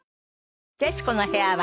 『徹子の部屋』は